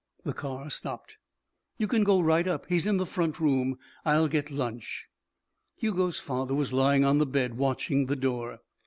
The car stopped. "You can go right up. He's in the front room. I'll get lunch." Hugo's father was lying on the bed watching the door.